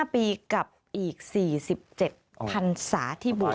๗๕ปีกับอีก๔๗๐๐๐ศาสตร์ที่บวชค่ะ